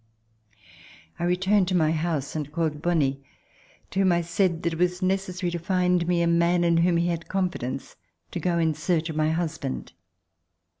I returned to my house and called Bonie, to whom I said that it was necessary to find me a man in whom he had confidence, to go in search of my husband.